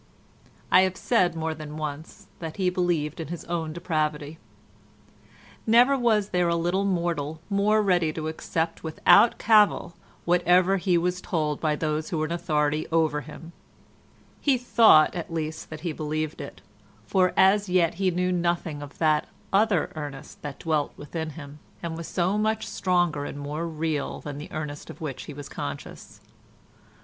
I have said more than once that he believed in his own depravity; never was there a little mortal more ready to accept without cavil whatever he was told by those who were in authority over him: he thought, at least, that he believed it, for as yet he knew nothing of that other Ernest that dwelt within him, and was so much stronger and more real than the Ernest of which he was conscious.